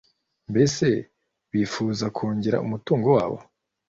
Mbese bifuza kongera umutungo wabo?